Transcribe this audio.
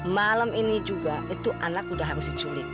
malam ini juga itu anak udah harus diculik